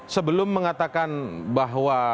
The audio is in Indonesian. sebelum mengatakan bahwa